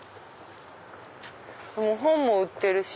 本も売ってるし。